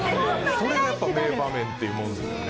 それが名場面ってもんですよね。